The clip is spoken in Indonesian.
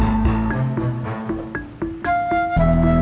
terdengar pakai kitty beg